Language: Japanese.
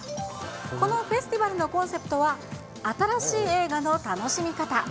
このフェスティバルのコンセプトは、新しい映画の楽しみ方。